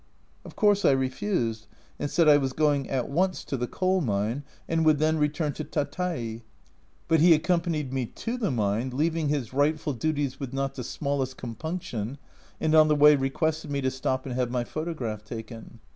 Of course I refused, and said I was going 44 A Journal from Japan at once to the coal mine, and would then return to Tatai, but he accompanied me to the mine, leaving his rightful duties with not the smallest compunction, and on the way requested me to stop and have my photograph taken.